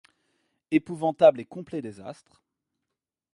Épouvantable et complet désastre.